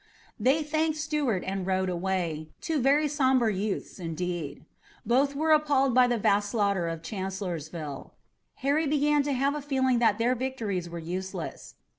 They thanked Stuart and rode away, two very sober youths indeed. Both were appalled by the vast slaughter of Chancellorsville. Harry began to have a feeling that their victories were useless.